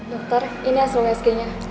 dokter ini hasil wsg nya